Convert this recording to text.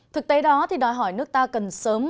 thực tế đó thì đòi hỏi nước ta cần sớm